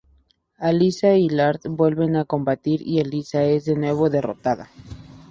Alisa y Lars vuelven a combatir, y Alisa es de nuevo derrotada.